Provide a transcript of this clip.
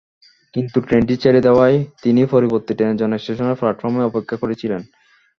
কিন্তু ট্রেনটি ছেড়ে দেওয়ায় তিনি পরবর্তী ট্রেনের জন্য স্টেশনের প্ল্যাটফর্মে অপেক্ষা করছিলেন।